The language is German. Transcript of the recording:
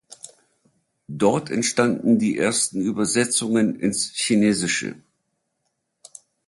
Dort entstanden die ersten Übersetzungen ins Chinesische.